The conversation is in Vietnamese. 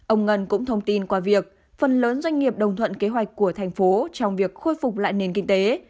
ông ngân cũng thông tin qua việc phần lớn doanh nghiệp đồng thuận kế hoạch của thành phố trong việc khôi phục lại nền kinh tế